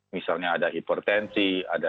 misalnya ada hipertensi ada